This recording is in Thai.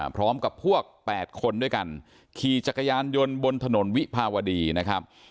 พร้อมกับพวก๘คนด้วยกันขี่จักรยานยนต์บนถนนวิภาวดีนะครับ